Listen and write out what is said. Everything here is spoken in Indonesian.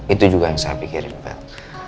itu juga yang saya pikir pak